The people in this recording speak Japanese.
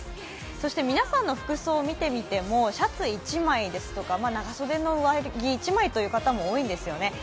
そして皆さんの服装を見てみてもシャツ１枚とか長袖のシャツ１枚という方が多いですね。